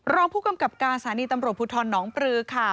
รองผู้กำกับการสถานีตำรวจภูทรหนองปลือค่ะ